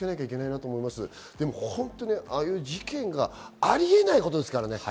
ああいう事件が、ありえないことですからね。